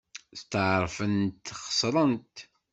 Steɛṛfent xeṣrent.